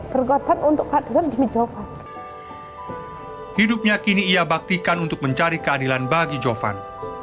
berkotak untuk hadir demi javan hidupnya kini ia baktikan untuk mencari keadilan bagi javan